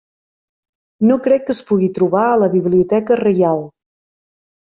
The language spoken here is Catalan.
No crec que es pugui trobar a la Biblioteca Reial.